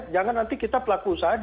jangan nanti kita pelaku saja